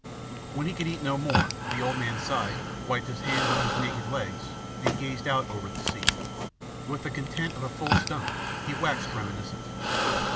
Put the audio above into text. When he could eat no more, the old man sighed, wiped his hands on his naked legs, and gazed out over the sea. With the content of a full stomach, he waxed reminiscent.